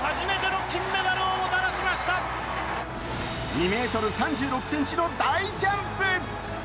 ２ｍ３６ｃｍの大ジャンプ！